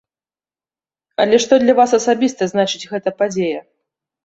Але што для вас асабіста значыць гэта падзея?